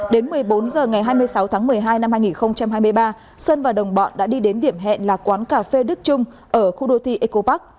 đến một mươi bốn h ngày hai mươi sáu tháng một mươi hai năm hai nghìn hai mươi ba sơn và đồng bọn đã đi đến điểm hẹn là quán cà phê đức trung ở khu đô thị eco park